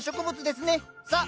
さあ！